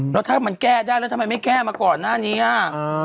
แล้วถ้ามันแก้ได้แล้วทำไมไม่แก้มาก่อนหน้านี้อ่ะ